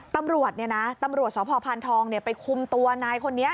ตำรวจเนี่ยนะตำรวจสพพานทองไปคุมตัวนายคนนี้